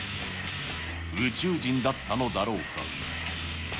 宇宙人だったのだろうか。